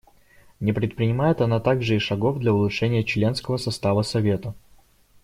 Не предпринимает она также и шагов для улучшения членского состава Совета.